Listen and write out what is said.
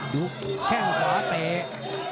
แข้งขวาเตะ